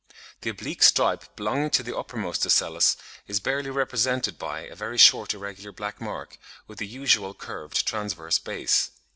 The oblique stripe belonging to the uppermost ocellus (b) is barely represented by a very short irregular black mark with the usual, curved, transverse base.